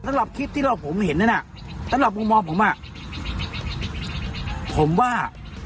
สำหรับทิกที่เหล่าผมเห็นนั่นอ่ะสำหรับผู้มอบผมว่า